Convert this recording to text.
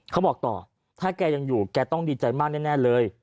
เขาบอกต่อถ้าแกยังอยู่แกต้องดีใจมากแน่เลย